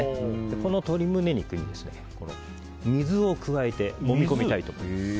この鶏胸肉に水を加えてもみ込みたいと思います。